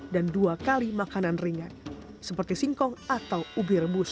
dan dua kali makanan ringan seperti singkong atau ubi rebus